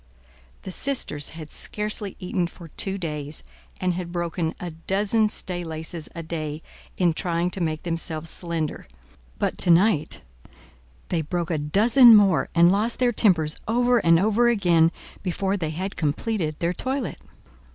The sisters had scarcely eaten for two days, and had broken a dozen staylaces a day, in trying to make themselves slender; but to night they broke a dozen more, and lost their tempers over and over again before they had completed their toilet.